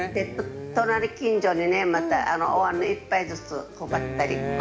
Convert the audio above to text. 隣近所に、またおわんに１杯ずつ配ったり。